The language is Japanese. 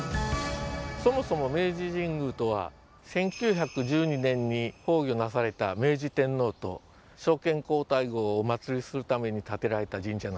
そもそも明治神宮とは１９１２年に崩御なされた明治天皇と昭憲皇太后をお祀りするために建てられた神社なんです。